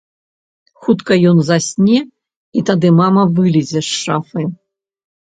Хутка ён засне, і тады мама вылезе з шафы.